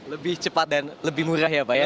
lebih cepat dan lebih murah ya pak ya